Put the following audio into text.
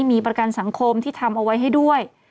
มีประกันสังคมที่ทำเอาไว้ให้ด้วย